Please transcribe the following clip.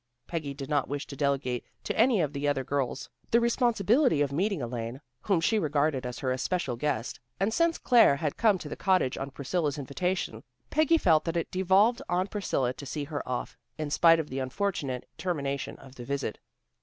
Peggy did not wish to delegate to any of the other girls the responsibility of meeting Elaine, whom she regarded as her especial guest, and since Claire had come to the cottage on Priscilla's invitation, Peggy felt that it devolved on Priscilla to see her off, in spite of the unfortunate termination of the visit.